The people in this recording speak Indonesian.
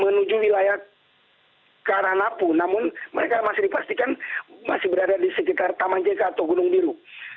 menuju wilayah karanapu namun mereka masih dipastikan masih berada di sekitar taman jeka atau gunung biru